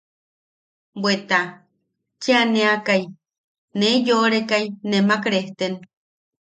Bweta cheʼaneakai nee yoʼorekai nemak rejten.